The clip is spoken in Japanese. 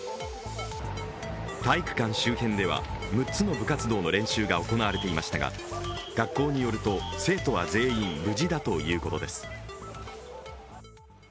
体育館周辺では、６つの部活動の練習が行われていましたが学校によると、生徒は全員無事だということです。